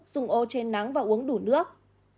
dùng ô trên nắng và uống đủ nước